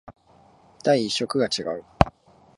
第一色が違う